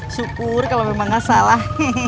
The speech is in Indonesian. syukur kalau memang gak salah